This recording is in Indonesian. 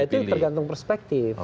ya itu tergantung perspektif